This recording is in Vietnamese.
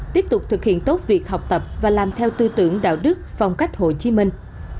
tiếp tục thực hiện tốt việc học tập và làm theo tư tưởng đạo đức phong cách hồ chí minh